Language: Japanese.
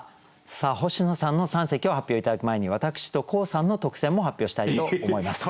星野さんの三席を発表頂く前に私と黄さんの特選も発表したいと思います。